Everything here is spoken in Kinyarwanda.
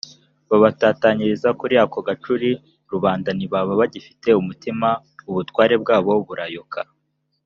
babatatanyiriza kuri ako gacuri. rubanda ntibaba bagifite umutima; ubutwari bwabo burayoka.